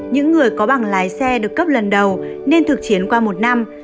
những người có bằng lái xe được cấp lần đầu nên thực chiến qua một năm